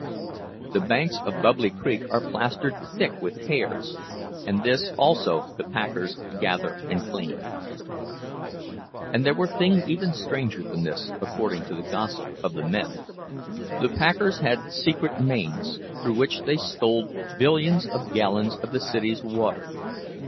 The banks of "Bubbly Creek" are plastered thick with hairs, and this also the packers gather and clean. And there were things even stranger than this, according to the gossip of the men. The packers had secret mains, through which they stole billions of gallons of the city's water.